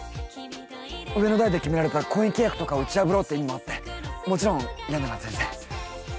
上の代で決められた婚姻契約とかを打ち破ろうって意味もあってもちろん嫌なら全然。